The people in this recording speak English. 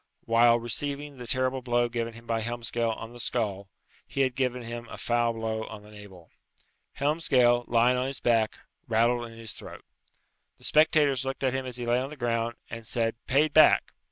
While receiving the terrible blow given him by Helmsgail on the skull, he had given him a foul blow on the navel. Helmsgail, lying on his back, rattled in his throat. The spectators looked at him as he lay on the ground, and said, "Paid back!"